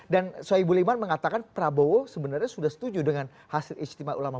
dan soebul iman mengatakan prabowo sebenarnya sudah setuju dengan hasil istimewa ulama